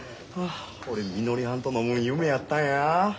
俺みのりはんと飲むん夢やったんや。